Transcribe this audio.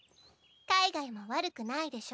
海外も悪くないでしょ？